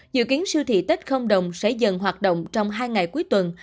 dự kiến siêu thị tết không đồng sẽ dần hoạt động trong hai ngày cuối tuần